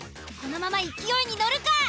このまま勢いに乗るか。